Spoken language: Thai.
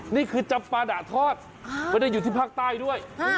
นี่คือจำปาดะทอดไม่ได้อยู่ที่ภาคใต้ด้วย